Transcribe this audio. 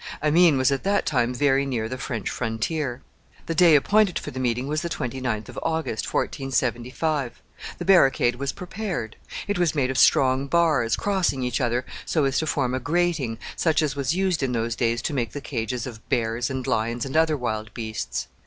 Amiens was at that time very near the French frontier. The day appointed for the meeting was the 29th of August, 1475. The barricade was prepared. It was made of strong bars, crossing each other so as to form a grating, such as was used in those days to make the cages of bears, and lions, and other wild beasts.